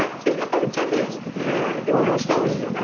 ちゃんと療養した方がいいよね。